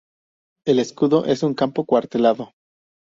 El escudo es un campo cuartelado.